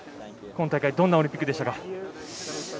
今大会どんなオリンピックでしたか。